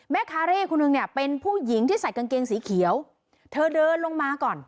คาเร่คนหนึ่งเนี่ยเป็นผู้หญิงที่ใส่กางเกงสีเขียวเธอเดินลงมาก่อน